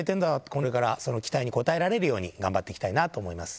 これからその期待に応えられるように頑張っていきたいなと思います。